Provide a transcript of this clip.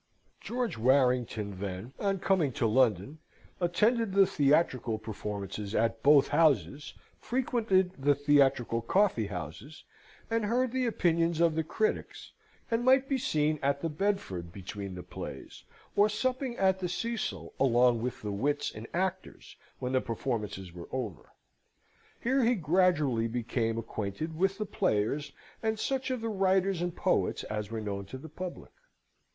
George Warrington, then, on coming to London, attended the theatrical performances at both houses, frequented the theatrical coffee houses, and heard the opinions of the critics, and might be seen at the Bedford between the plays, or supping at the Cecil along with the wits and actors when the performances were over. Here he gradually became acquainted with the players and such of the writers and poets as were known to the public.